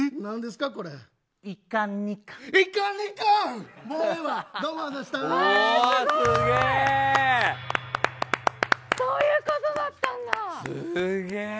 すごい！そういうことだったんだ。